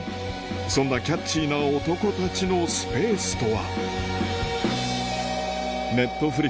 そんなキャッチーな男たちのスペースとは？